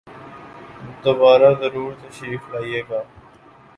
دوبارہ ضرور تشریف لائیئے گا